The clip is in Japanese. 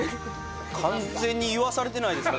完全に言わされてないですか？